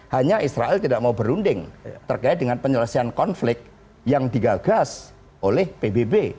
hanya israel tidak mau berunding terkait dengan penyelesaian konflik yang digagas oleh pbb